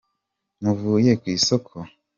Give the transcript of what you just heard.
Mvuye kwisoko.